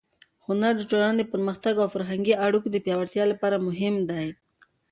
هنر د ټولنې د پرمختګ او فرهنګي اړیکو د پیاوړتیا لپاره مهم دی.